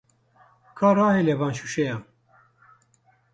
Ka rahêle van şûşeyan.